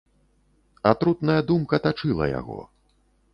Атрутная думка тачыла яго.